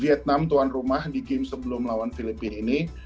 vietnam tuan rumah di game sebelum lawan filipina ini